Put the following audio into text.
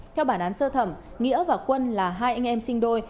theo bản án sơ thẩm nghĩa và quân là hai anh em sinh đôi